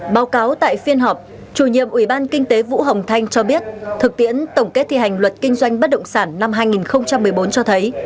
báo cáo tại phiên họp chủ nhiệm ủy ban kinh tế vũ hồng thanh cho biết thực tiễn tổng kết thi hành luật kinh doanh bất động sản năm hai nghìn một mươi bốn cho thấy